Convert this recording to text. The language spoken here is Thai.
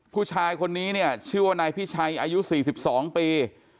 ผู้ชายคนนี้เนี่ยชื่อว่านายพิชัยอายุ๔๒ปี